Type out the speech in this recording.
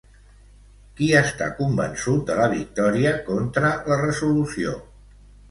Qui està convençut de la victòria contra la resolució?